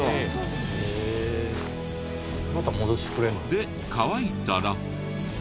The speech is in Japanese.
で乾いたら。